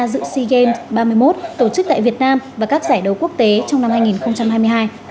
dự sea games ba mươi một tổ chức tại việt nam và các giải đấu quốc tế trong năm hai nghìn hai mươi hai